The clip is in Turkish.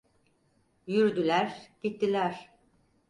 Yürüdüler gittiler...